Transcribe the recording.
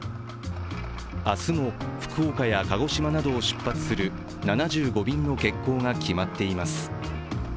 明日も福岡や鹿児島などを出発する７５便の欠航が決まっています。